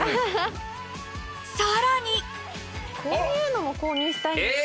さらにこういうのも購入したいんです。